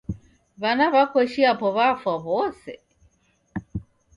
W'ana w'a koshi yapo w'afwa w'ose